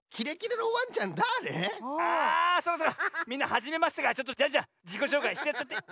みんなはじめましてだからジャンジャンじこしょうかいしてやっちゃって。